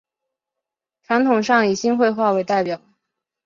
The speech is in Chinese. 传统上以新会话为代表。